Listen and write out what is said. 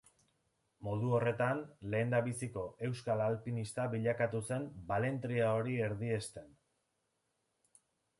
Modu horretan, lehendabiziko euskal alpinista bilakatu zen balentria hori erdiesten.